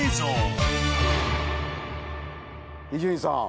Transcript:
伊集院さん